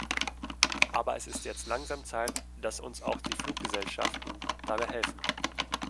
Aber es ist jetzt langsam Zeit, dass uns auch die Fluggesellschaften dabei helfen.